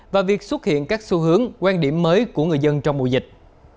và việc xuất hiện các xu hướng quan điểm mới của người dân trong mùa dịch